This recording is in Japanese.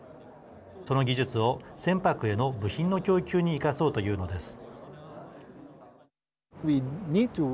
その技術を船舶への部品の供給に生かそうというのです。